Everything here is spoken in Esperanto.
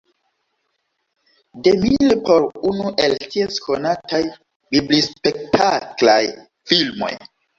DeMille por unu el ties konataj biblispektaklaj filmoj.